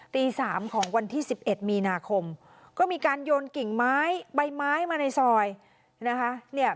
ตี๓ของวันที่๑๑มีนาคมก็มีการโยนกิ่งไม้ใบไม้มาในซอยนะคะ